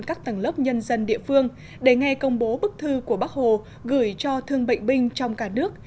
các tầng lớp nhân dân địa phương để nghe công bố bức thư của bắc hồ gửi cho thương bệnh binh trong cả nước